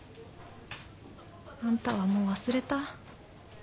あんたはもう忘れた？